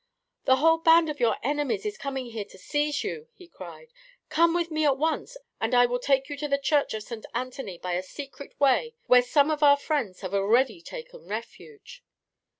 "The whole band of your enemies is coming here to seize you!" he cried. "Come with me at once, and I will take you to the Church of St. Anthony by a secret way, where some of our friends have already taken refuge."